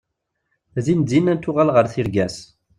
Din din ad tuɣal ɣer tirga-s.